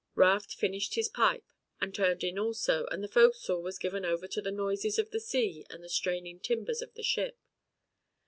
Raft finished his pipe and turned in also and the fo'c'sle was given over to the noises of the sea and the straining timbers of the ship.